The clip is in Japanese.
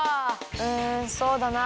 うんそうだな。